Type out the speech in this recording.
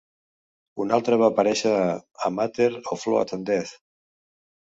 Un altre va aparèixer a "A Matter of Loaf and Death".